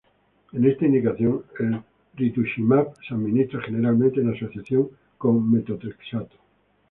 En esta indicación, el rituximab se administra generalmente en asociación con metotrexato.